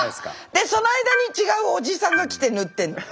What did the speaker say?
でその間に違うおじさんが来て塗ってんの。